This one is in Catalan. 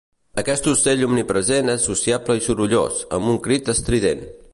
Aquest ocell omnipresent és sociable i sorollós, amb un crit estrident.